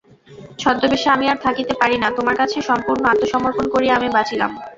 ছদ্মবেশে আমি আর থাকিতে পারি না তোমার কাছে সম্পূর্ণ আত্মসমর্পণ করিয়া আমি বাঁচিলাম।